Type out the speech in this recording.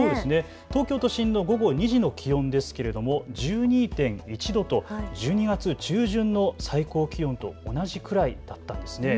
東京都心の午後２時の気温ですけれども１２．１度と１２月中旬の最高気温と同じくらいだったんですね。